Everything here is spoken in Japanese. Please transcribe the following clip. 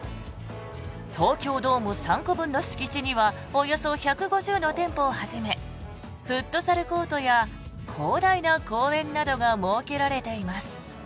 東京ドーム３個分の敷地にはおよそ１５０の店舗をはじめフットサルコートや広大な公園などが設けられています。